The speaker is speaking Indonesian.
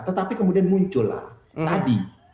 tetapi kemudian muncullah tadi